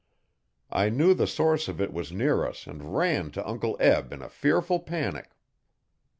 I knew the source of it was near us and ran to Uncle Eb in a fearful panic.